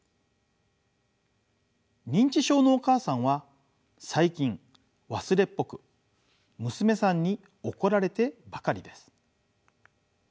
認知症のお母さんは最近忘れっぽく娘さんに怒られてばかりです。